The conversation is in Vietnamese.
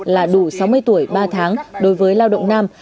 là đủ sáu mươi tuổi ba tháng đối với lao động nam